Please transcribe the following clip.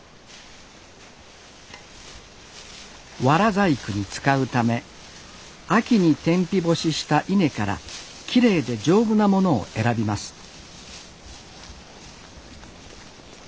藁細工に使うため秋に天日干しした稲からきれいで丈夫なものを選びます